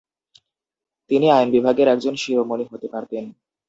তিনি আইনবিভাগের একজন শিরোমণি হতে পারতেন।